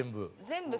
全部。